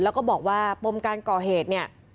แล้วก็บอกว่าปมการก่อเหตุเนี่ย